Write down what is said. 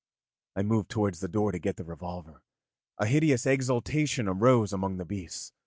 I moved towards the door to get the revolver; a hideous exultation arose among the beasts.